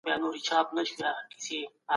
هغه د ملت د یووالي لپاره هڅه وکړه.